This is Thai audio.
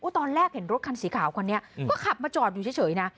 ตอนแรกเห็นรถคันสีขาวคนนี้ก็ขับมาจอดอยู่เฉยนะ